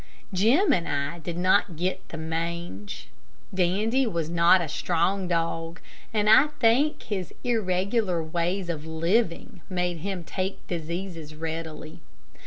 Jim and I did not get the mange. Dandy was not a strong dog, and I think his irregular way of living made him take diseases readily.